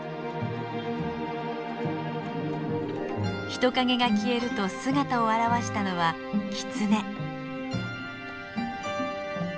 人影が消えると姿を現したのはキツネ。